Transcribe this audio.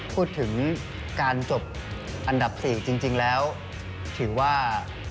ก็คือคุณอันนบสิงต์โตทองนะครับ